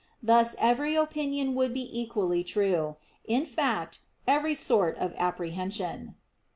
Thus every opinion would be equally true; in fact, every sort of apprehension.